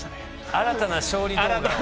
新たな勝利動画を？